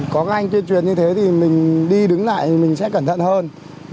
có các anh tuyên truyền như thế thì mình đi đứng lại thì mình sẽ cẩn thận hơn